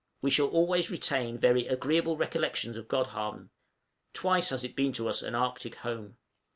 We shall always retain very agreeable recollections of Godhavn; twice has it been to us an Arctic home.